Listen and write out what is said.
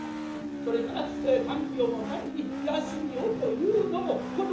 それから看病のために休みをというのも断った」。